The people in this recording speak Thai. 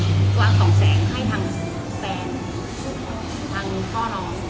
มันวางส่องแสงให้ทางแฟน